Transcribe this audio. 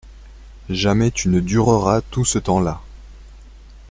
Jamais tu ne dureras tout ce temps-là.